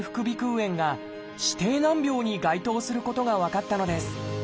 炎が指定難病に該当することが分かったのです。